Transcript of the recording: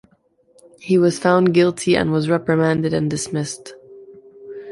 He was found guilty, and was reprimanded and dismissed.